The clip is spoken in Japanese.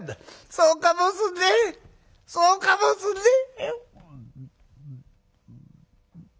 「そうかもしんねえそうかもしんねえ」。